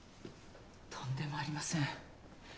とんでもありません。